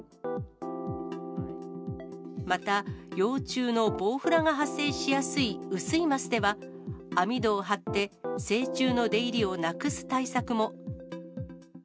また、幼虫のボウフラが発生しやすい雨水ますでは、網戸を張って、成虫の出入りをなくす対策も。